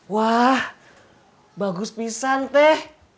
wah bagus pisang teh